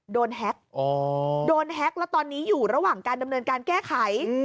แฮ็กโดนแฮ็กแล้วตอนนี้อยู่ระหว่างการดำเนินการแก้ไข